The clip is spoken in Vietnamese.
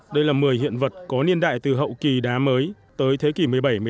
đây là một mươi hiện vật có niên đại từ hậu kỳ đá mới tới thế kỷ một mươi bảy một mươi năm